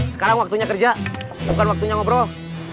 sekarang waktunya kerja bukan waktunya ngobrol